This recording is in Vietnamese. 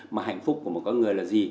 mà hạnh phúc của một con người là gì